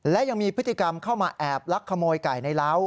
และยังมีพฤติกรรมเข้ามาแอบลักขโมยไก่ในร้าว